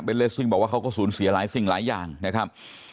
เลสซิ่งบอกว่าเขาก็สูญเสียหลายสิ่งหลายอย่างนะครับ